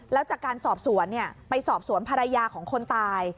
แล้วจากการสอบสวนไปสอบสวนภรรยาของคนตาย